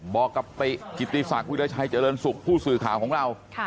บอกกับติกิติศักดิราชัยเจริญสุขผู้สื่อข่าวของเรา